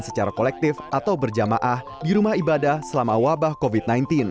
secara kolektif atau berjamaah di rumah ibadah selama wabah covid sembilan belas